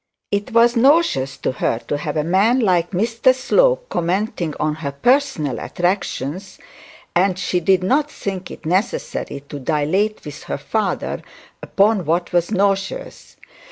It was nauseous to her to have such a man like Mr Slope commenting on her personal attractions; and she did not think it necessary to dilate with her father upon what was nauseous.